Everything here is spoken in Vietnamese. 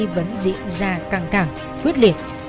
vẫn diễn ra căng thẳng quyết liệt